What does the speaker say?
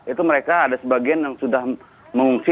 itu mereka ada sebagian yang sudah mengungsi